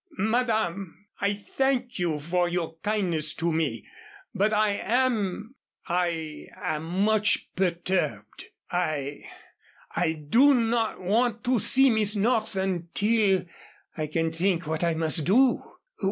"Madame, I thank you for your kindness to me, but I am I am much perturbed I I do not want to see Miss North until I can think what I must do.